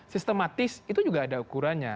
sistematis itu juga ada ukurannya